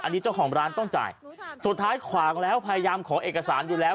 อันนี้เจ้าของร้านต้องจ่ายสุดท้ายขวางแล้วพยายามขอเอกสารอยู่แล้ว